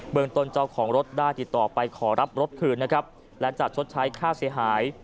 เมืองต้นเจ้าของรถได้ติดต่อไปขอรับรถคืนนะครับและจะชดใช้ค่าเสียหาย